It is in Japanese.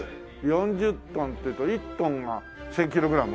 ４０トンっていうと１トンが１０００キログラム？